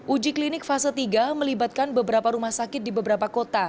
uji klinik fase tiga melibatkan beberapa rumah sakit di beberapa kota